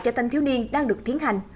cho thanh thiếu niên đang được thiến hành